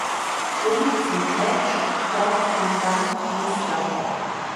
Somit sind Edge, Rob Van Dam, Mr.